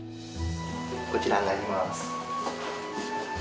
こちらになります。